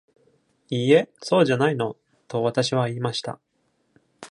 「いいえ、そうじゃないの」と、私は言いました。